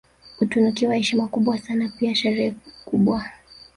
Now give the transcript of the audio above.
Hutunukiwa heshima kubwa sana pia sherehe kubwa